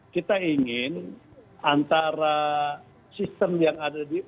kita ingin antara sistem yang ada di